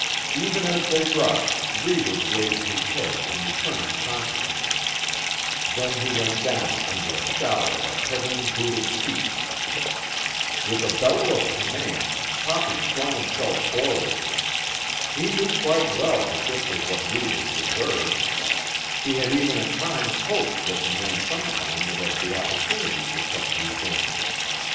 Even as they rushed Reivers raised his head in returning consciousness; then he went down under a shower of heavily booted feet. With a bellow of command Toppy flung himself forward. He knew quite well that this was what Reivers deserved; he had even at times hoped that the men some time would have the opportunity for such revenge.